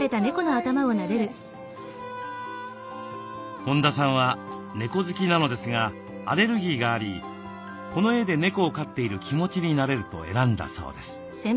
本田さんは猫好きなのですがアレルギーがありこの絵で猫を飼っている気持ちになれると選んだそうです。